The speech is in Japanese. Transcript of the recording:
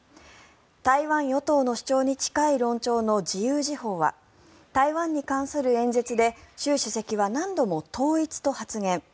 台湾与党の主張に近い論調の自由時報は台湾に関する演説で習主席は何度も統一と発言